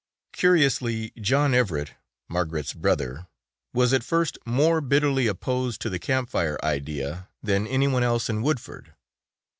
Curiously John Everett, Margaret's brother, was at first more bitterly opposed to the Camp Fire idea than any one else in Woodford.